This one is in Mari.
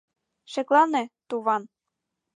— Шеклане, туван!